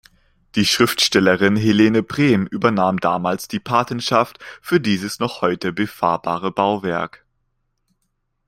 Die Schriftstellerin Helene Brehm übernahm damals die Patenschaft für dieses noch heute befahrbare Bauwerk.